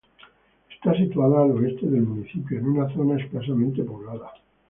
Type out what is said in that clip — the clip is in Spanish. Está situada al oeste del municipio, en una zona escasamente poblada.